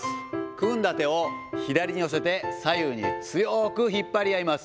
組んだ手を左に寄せて、左右に強く引っ張り合います。